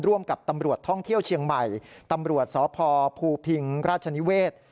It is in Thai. ร่วมกับตำรวจท่องเที่ยวเชียงใหม่ตำรวจสพภูพิงราชนิเวศ